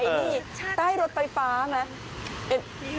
นี่ใต้รถไฟฟ้าไหม